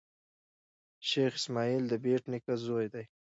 شېخ اسماعیل دبېټ نیکه زوی دﺉ.